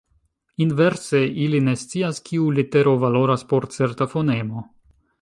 Inverse, ili ne scias, kiu litero valoras por certa fonemo.